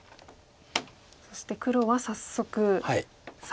そして黒は早速三々に。